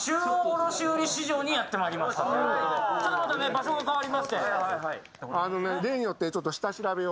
場所が変わりまして。